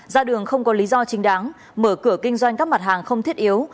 ra đường không có lý do chính đáng mở cửa kinh doanh các mặt hàng không thiết yếu